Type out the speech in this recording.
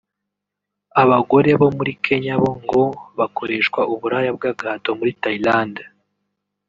Abagore bo muri Kenya bo ngo bakoreshwa uburaya bw’agahato muri Thailand